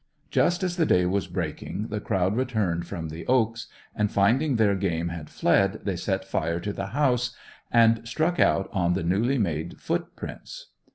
Just as day was breaking the crowd returned from the "Oaks," and finding their game had fled they set fire to the house and struck out on the newly made foot prints.